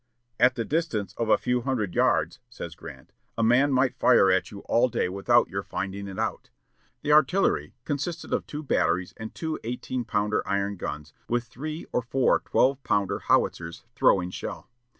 "At the distance of a few hundred yards," says Grant, "a man might fire at you all day without your finding it out." The artillery consisted of two batteries and two eighteen pounder iron guns, with three or four twelve pounder howitzers throwing shell.